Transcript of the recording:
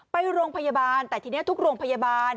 ไปโรงพยาบาลแต่ทีนี้ทุกโรงพยาบาล